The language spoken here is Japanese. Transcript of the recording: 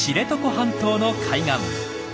半島の海岸。